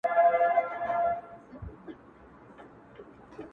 څو دوکانه څه رختونه څه مالونه٫